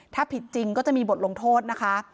ถ้าผิดจริงก็จะมีบทลงโทษนะคะ